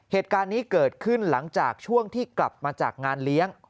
เหตุการณ์นี้เกิดขึ้นหลังจากช่วงที่กลับมาจากงานเลี้ยง